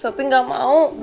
sopi benci sama atu